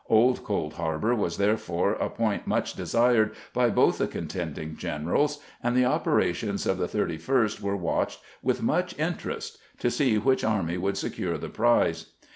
Old Cold Harbor was therefore a point much desired by both the contending generals, and the operations of the 31st were watched with much interest to see which army would secure the prize.